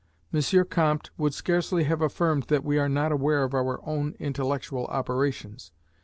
M. Comte would scarcely have affirmed that we are not aware of our own intellectual operations.